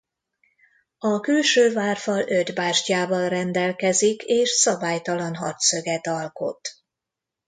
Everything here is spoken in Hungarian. A külső várfal öt bástyával rendelkezik és szabálytalan hatszöget alkot.